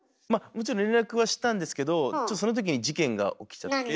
もちろん連絡はしたんですけどちょっとそのときに事件が起きちゃって。